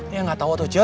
ya gatau tuh ce